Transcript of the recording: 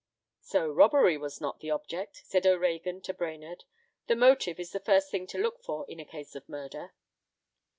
"So robbery was not the object," said O'Reagan to Brainerd. "The motive is the first thing to look for in a case of murder."